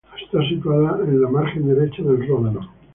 Está situada en la margen derecha del Ródano.